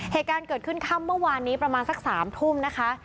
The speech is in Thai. เหตุการณ์เกิดขึ้นค่ำเมื่อวานนี้ประมาณสัก๓ทุ่มนะคะ